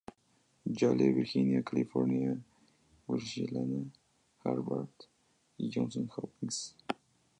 Yale, Virginia, California, Wesleyana, Harvard y Johns Hopkins.